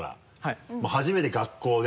初めて学校で。